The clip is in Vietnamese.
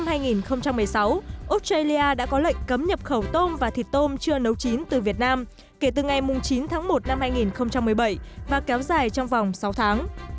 australia đã có lệnh cấm nhập khẩu tôm và thịt tôm chưa nấu chín từ việt nam kể từ ngày chín tháng một năm hai nghìn một mươi bảy và kéo dài trong vòng sáu tháng